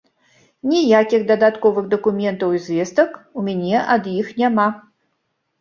Ніякіх дадатковых дакументаў і звестак у мяне ад іх няма.